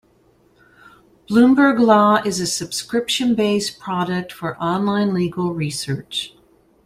Bloomberg Law is a subscription-based product for online legal research.